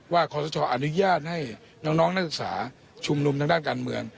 ขอสชอนุญาตให้น้องนักศึกษาชุมนุมทางด้านการเมือง